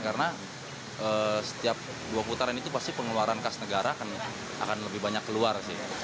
karena setiap dua putaran itu pasti pengeluaran khas negara akan lebih banyak keluar sih